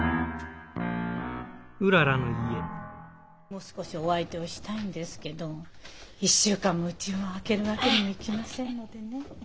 もう少しお相手をしたいんですけど１週間もうちを空けるわけにもいきませんのでね。